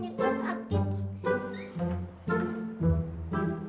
ini tak ada